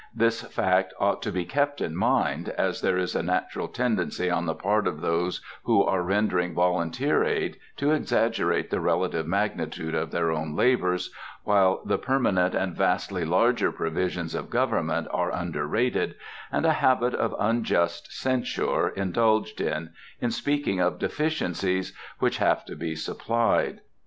This fact ought to be kept in mind, as there is a natural tendency on the part of those who are rendering volunteer aid to exaggerate the relative magnitude of their own labors, while the permanent and vastly larger provisions of government are underrated, and a habit of unjust censure indulged in, in speaking of deficiencies which have to be supplied.